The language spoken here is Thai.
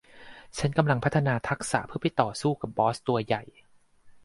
ฉันกำลังพัฒนาทักษะเพื่อไปสู้กับบอสตัวใหญ่